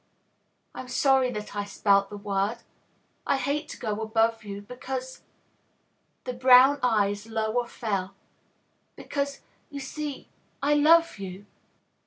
"I'm sorry that I spelt the word: I hate to go above you, Because," the brown eyes lower fell, "Because, you see, I love you!"